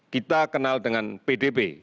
kita kenal dengan pdb